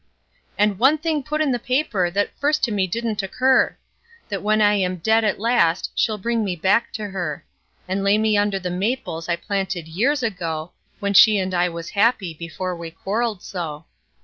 And one thing put in the paper, that first to me didn't occur: That when I am dead at last she'll bring me back to her; And lay me under the maples I planted years ago, When she and I was happy before we quarreled so.